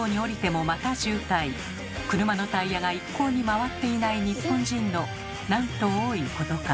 車のタイヤが一向に回っていない日本人のなんと多いことか。